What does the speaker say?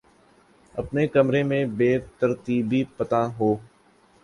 اپنے کمرے میں بے ترتیبی پاتا ہوں